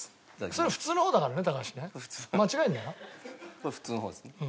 これ普通の方ですね。